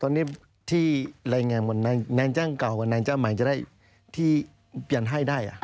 ตอนนี้ที่อะไรไงแน่นแจ้งเก่ากับแน่นแจ้งใหม่จะได้ที่เปลี่ยนให้ได้